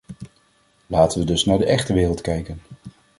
Laten we dus naar de echte wereld kijken.